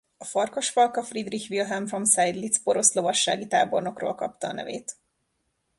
A farkasfalka Friedrich Wilhelm von Seydlitz porosz lovassági tábornokról kapta a nevét.